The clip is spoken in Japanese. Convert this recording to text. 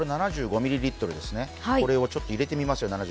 ７５ミリリットルですね、これを入れてみますよ。